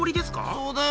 そうだよ。